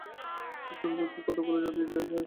শোষণযোগ্য কতকগুলি জাতি যে চাই।